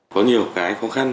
có nhiều cái khó khăn